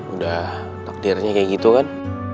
udah takdirnya kayak gitu kan